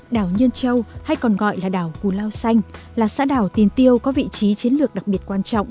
đảo nhơn châu hay còn gọi là đảo cù lao xanh là xã đảo tiền tiêu có vị trí chiến lược đặc biệt quan trọng